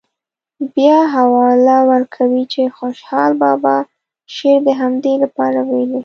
بیا حواله ورکوي چې خوشحال بابا شعر د همدې لپاره ویلی.